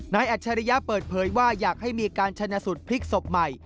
อัจฉริยะเปิดเผยว่าอยากให้มีการชนะสูตรพลิกศพใหม่